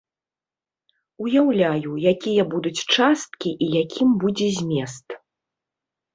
Уяўляю, якія будуць часткі і якім будзе змест.